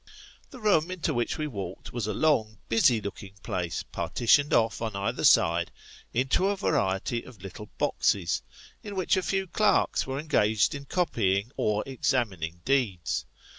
The room into which we walked, was a long, busy looking place, partitioned off, on either side, into a variety of little boxes, in which a few clerks were engaged in copying or examining deeds.